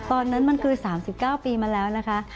ตอนนั้นมันคือ๓๙ปีมาแล้วนะคะ